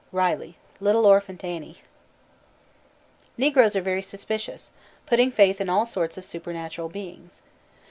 RILEY: Little Orphant Annie. Negroes are very superstitious, putting faith in all sorts of supernatural beings.